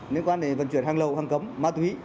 liên quan đến vận chuyển hàng lầu hàng cấm ma thủy